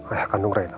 ayah kandung reyda pak